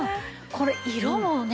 これ色もね